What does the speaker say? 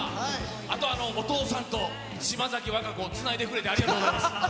あと、お父さんと島崎和歌子をつないでくれてありがとうございます。